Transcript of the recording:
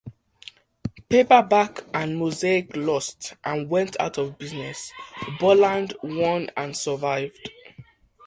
Paperback and Mosaic lost and went out of business; Borland won and survived.